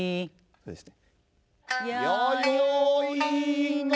そうですね。